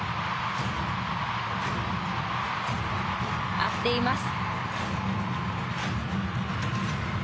合っています。